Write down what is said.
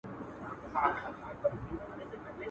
زه به څه نه وایم د ځان په رابطه باندي